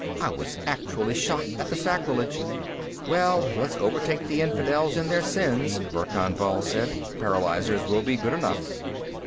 I was actually shocked at the sacrilege!" "Well, let's overtake the infidels in their sins," Verkan Vall said. "Paralyzers will be good enough."